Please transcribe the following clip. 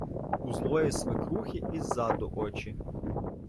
у злої свекрухи і ззаду очі